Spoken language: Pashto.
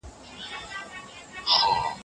باثباته دولت د اقتصادي ودې لپاره اړین دی.